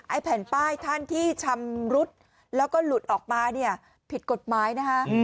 แผ่นป้ายท่านที่ชำรุดแล้วก็หลุดออกมาเนี่ยผิดกฎหมายนะคะ